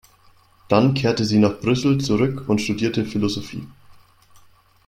Dann kehrte sie nach Brüssel zurück und studierte Philosophie.